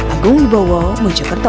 agung ibowo mojokerto